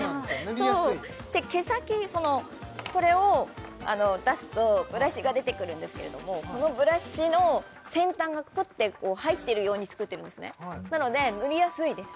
そう毛先これを出すとブラシが出てくるんですけれどもこのブラシの先端がクッて入っているように作ってるんですねなので塗りやすいです